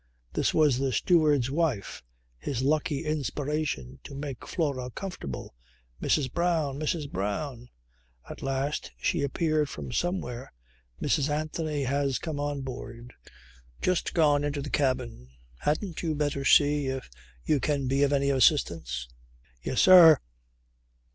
This was the steward's wife, his lucky inspiration to make Flora comfortable. "Mrs. Brown! Mrs. Brown!" At last she appeared from somewhere. "Mrs. Anthony has come on board. Just gone into the cabin. Hadn't you better see if you can be of any assistance?" "Yes, sir."